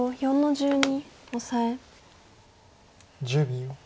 １０秒。